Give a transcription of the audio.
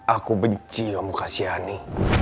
aku benci kamu kasihani